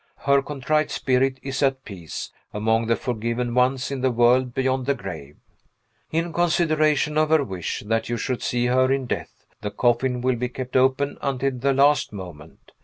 Her contrite spirit is at peace, among the forgiven ones in the world beyond the grave. In consideration of her wish that you should see her in death, the coffin will be kept open until the last moment.